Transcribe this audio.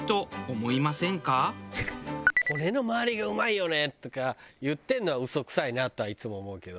「骨の周りがうまいよねー！」とか言ってるのは嘘くさいなとはいつも思うけど。